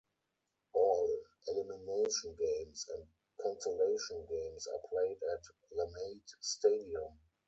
All elimination games and consolation games are played at Lamade Stadium.